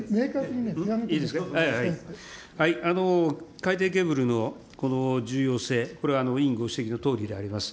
海底ケーブルの重要性、これは委員ご指摘のとおりであります。